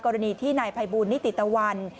กรณีที่ในภายบูรณ์นิติตะวัน